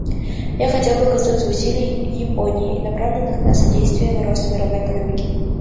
Я хотел бы коснуться усилий Японии, направленных на содействие росту мировой экономики.